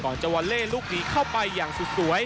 ก่อนจะวัลเล่ลูกนี้เข้าไปอย่างสวย